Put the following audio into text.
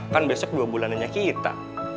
kan besok dua bulannya kita